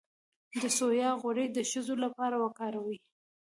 د سویا غوړي د ښځو لپاره وکاروئ